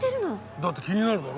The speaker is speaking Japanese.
だって気になるだろ？